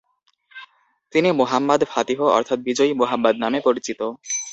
তিনি Muhammad Fatih অর্থাৎ বিজয়ী মুহাম্মাদ নামে পরিচিত।